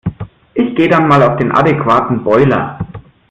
Ich geh' dann mal auf den adequaten Boiler.